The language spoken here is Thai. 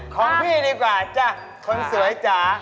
ของพี่ดีกว่าจ้ะ